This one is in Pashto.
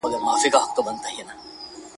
ښځي وویل بېشکه مي په زړه دي,